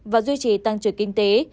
và duy trì tăng trưởng kinh tế